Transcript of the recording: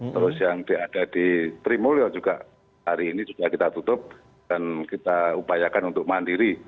terus yang ada di trimulyo juga hari ini sudah kita tutup dan kita upayakan untuk mandiri